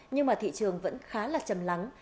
nhưng mà thị trường vẫn khá là chầm lắng